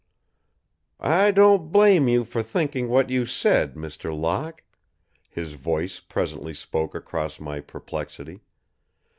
"I don't blame you for thinking what you said, Mr. Locke," his voice presently spoke across my perplexity.